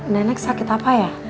nenek sakit apa ya